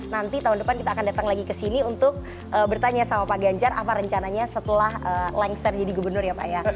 nanti tahun depan kita akan datang lagi ke sini untuk bertanya sama pak ganjar apa rencananya setelah lengser jadi gubernur ya pak ya